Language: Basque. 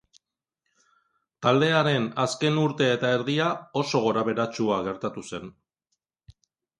Taldearen azken urte eta erdia oso gorabeheratsua gertatu zen.